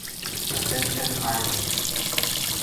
ascension island